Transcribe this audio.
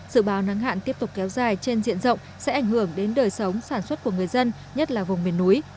dự báo nắng hạn tiếp tục kéo dài trên diện rộng sẽ ảnh hưởng đến đời sống sản xuất của người dân nhất là vùng miền núi